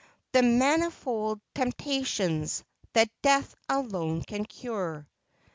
The manifold temptations. That death alone can cure.'